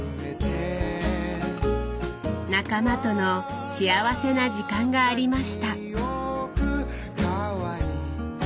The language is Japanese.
仲間との幸せな時間がありました。